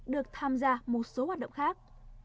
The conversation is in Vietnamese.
năm được tham gia một số hoạt động khác